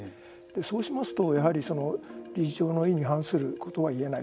そうしますと、理事長の意に反することは言えない。